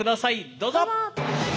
どうぞ！